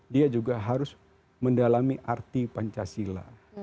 dia juga harus mendalami arti pancasila